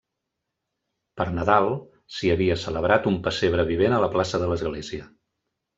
Per Nadal, s’hi havia celebrat un pessebre vivent a la plaça de l’església.